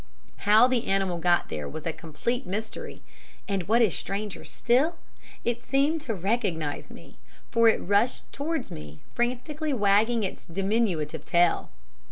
How the animal got there was a complete mystery, and, what is stranger still, it seemed to recognize me, for it rushed towards me, frantically wagging its diminutive tail.